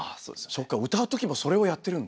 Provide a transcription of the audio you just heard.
そっか歌うときもそれをやってるんだ。